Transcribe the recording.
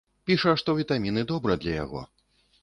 Піша, што вітаміны добра для яго.